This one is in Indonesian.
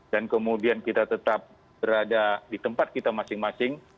dan kemudian kita tetap berada di tempat kita masing masing